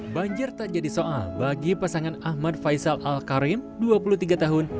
banjir tak jadi soal bagi pasangan ahmad faisal al karim dua puluh tiga tahun